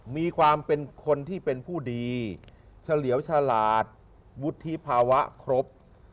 มีความเป็นคนที่เป็นผู้ดีเฉลียวฉลาดวุฒิภาวะครบ